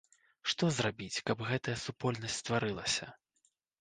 Што зрабіць, каб гэтая супольнасць стварылася?